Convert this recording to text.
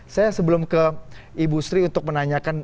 saya sebelum ke ibu sri untuk menanyakan